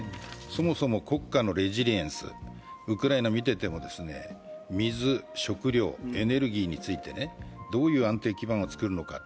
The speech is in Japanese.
そもそも国家のレジリエンス、ウクライナ見ていても、水、食糧、エネルギーについてどういう安定基盤を作るのか。